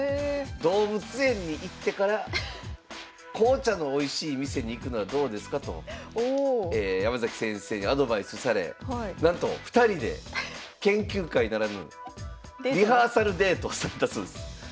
動物園に行ってから紅茶のおいしい店に行くのはどうですかと山崎先生にアドバイスされなんと２人で研究会ならぬリハーサルデートされたそうです。